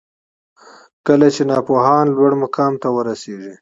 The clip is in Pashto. کله چي ناپوهان لوړ مقام ته ورسیږي